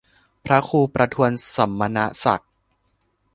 พระครูประทวนสมณศักดิ์